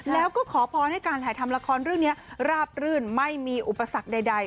แล้วก็ขอพรให้การถ่ายทำละครเรื่องนี้ราบรื่นไม่มีอุปสรรคใด